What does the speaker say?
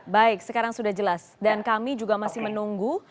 baik sekarang sudah jelas dan kami juga masih menunggu